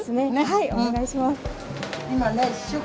はいお願いします。